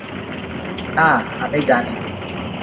না, আমি জানি।